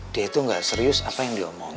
dia itu gak serius apa yang dia bilang